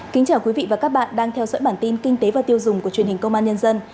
kính chào quý vị và các bạn đang theo dõi bản tin kinh tế và tiêu dùng của truyền hình công an nhân dân